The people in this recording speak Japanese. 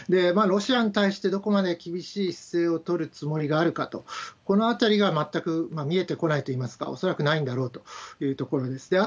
ロシアに対してどこまで厳しい姿勢を取るつもりがあるかと、このあたりが全く見えてこないといいますか、恐らくないんだろうというところです。